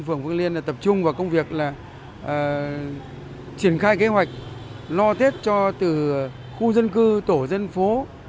phường phương liên tập trung vào công việc là triển khai kế hoạch lo tết cho từ khu dân cư tổ dân phố